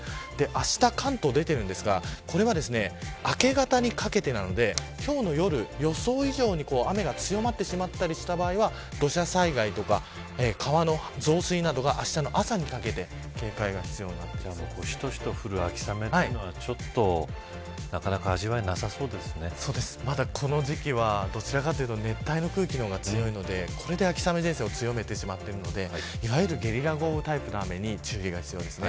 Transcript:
あした、関東出ていますがこれは明け方にかけてなので、今日の夜予想以上に雨が強まってしまった場合は土砂災害とか川の増水などがあしたの朝にかけてしとしと降る秋雨というのはなかなか味わえなまだこの時期はどちらかというと熱帯の空気が強めで秋雨前線が強まっているのでいわゆるゲリラ豪雨タイプの雨に注意が必要です。